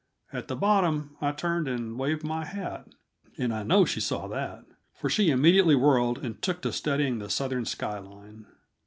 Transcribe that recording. At the bottom I turned and waved my hat and I know she saw that, for she immediately whirled and took to studying the southern sky line.